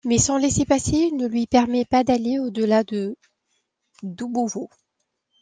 Mais son laissez-passer ne lui permet pas d'aller au-delà de Doubovo.